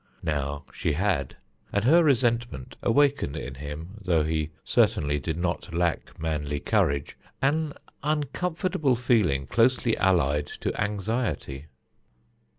Now she had, and her resentment awakened in him though he certainly did not lack manly courage an uncomfortable feeling closely allied to anxiety.